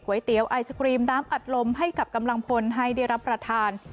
เตี๋ยวไอศครีมน้ำอัดลมให้กับกำลังพลให้ได้รับประทาน